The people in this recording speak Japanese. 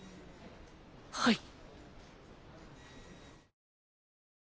はい。